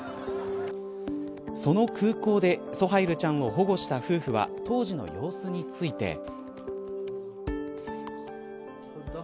その空港でソハイルちゃんを保護した夫婦は当時の様子について。